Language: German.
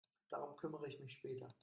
Darum kümmere ich mich später.